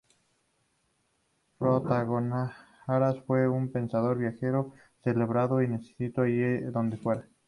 Protágoras fue un pensador viajero, celebrado y necesitado allí donde fuera.